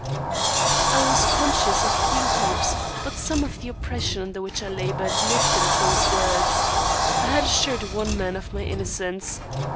I was conscious of few hopes, but some of the oppression under which I laboured lifted at those words. I had assured one man of my innocence!